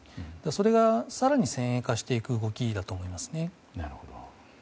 それが更に先鋭化していく動きだと思いますね。